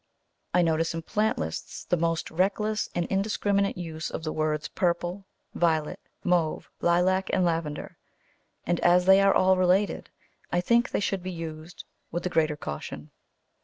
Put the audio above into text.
I notice in plant lists the most reckless and indiscriminate use of the words purple, violet, mauve, lilac, and lavender, and as they are all related, I think they should be used with the greater caution.